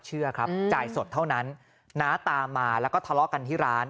เชื่อครับจ่ายสดเท่านั้นน้าตามมาแล้วก็ทะเลาะกันที่ร้าน